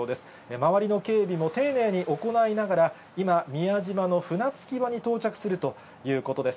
周りの警備も丁寧に行いながら、今、宮島の船着き場に到着するということです。